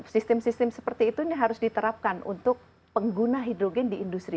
sistem sistem seperti itu ini harus diterapkan untuk pengguna hidrogen di industri